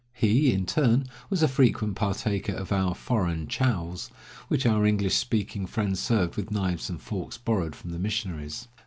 He, in turn, was a frequent partaker of our "foreign chows," which our English speaking friends served with knives and forks borrowed from the missionaries.